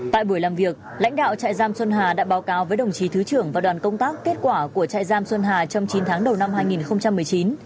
tại buổi làm việc lãnh đạo trại giam xuân hà đã báo cáo với đồng chí thứ trưởng và đoàn công tác kết quả của trại giam xuân hà trong chín tháng đầu năm hai nghìn một mươi chín